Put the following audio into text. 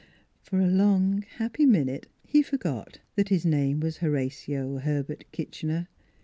For a long, happy minute he forgot that his name was Horatio Herbert Kitchener.